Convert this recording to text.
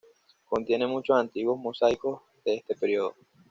Contiene muchos antiguos mosaicos de este periodo.